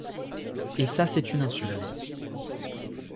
Et ça c'est une insulte.